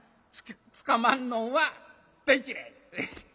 つかまんのんは大嫌い。